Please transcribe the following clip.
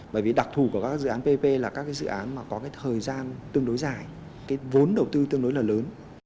bởi vì đặc thù của các dự án pp là các cái dự án mà có cái thời gian tương đối dài cái vốn đầu tư tương đối là lớn